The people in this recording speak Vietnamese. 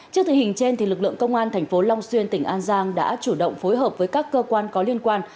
trước tình hình trên lực lượng công an tp long xuyên tỉnh an giang đã chủ động phối hợp với các cơ quan có liên quan